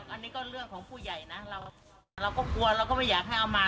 อันนี้ก็เรื่องของผู้ใหญ่นะเราก็กลัวเราก็ไม่อยากให้เอามา